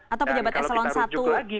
atau pejabat eselon i kementerian negeri gitu ya